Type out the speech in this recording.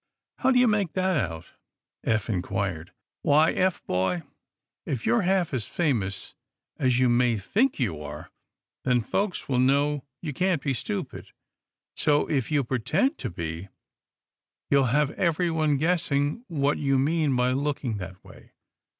"How do you make that out?" Eph inquired. "Why, Eph, boy, if you're half as famous as you may think you are, then folks will know you can't be stupid. So, if you pretend to be, you'll have everyone guessing what you mean by looking that way.